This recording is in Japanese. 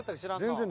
全然。